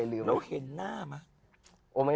แล้วเห็นหน้ามา